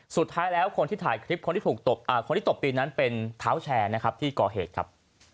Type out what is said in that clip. สุดท้ายแล้วคนที่ถ่ายคลิปคนที่ตบตีนนั้นเป็นเท้าแชร์ที่ก่อเหตุครับ